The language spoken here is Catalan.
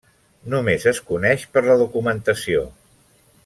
Només es coneix per la documentació.